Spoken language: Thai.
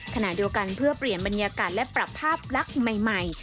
ขณะเดียวกันเพื่อเปลี่ยนบรรยากาศและปรับภาพลักษณ์ใหม่